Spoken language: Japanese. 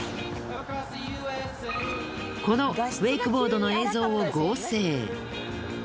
このウェイクボードの映像を合成。